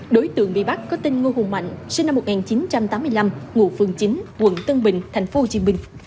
đối tượng bị bắt có tên ngô hùng mạnh sinh năm một nghìn chín trăm tám mươi năm ngụ phường chín quận tân bình tp hcm